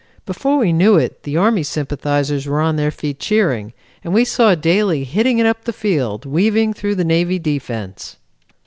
Before we knew it the Army sympathizers were on their feet cheering and we saw Daly hitting it up the field, weaving through the Navy defense.